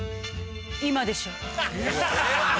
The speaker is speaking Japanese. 今でしょ。